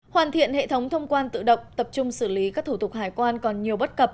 hoàn thiện hệ thống thông quan tự động tập trung xử lý các thủ tục hải quan còn nhiều bất cập